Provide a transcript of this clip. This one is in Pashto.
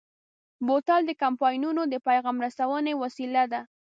بوتل د کمپاینونو د پیغام رسونې وسیله ده.